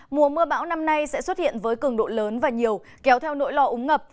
mùa mưa bão năm nay sẽ xuất hiện với cường độ lớn và nhiều kéo theo nỗi lo ống ngập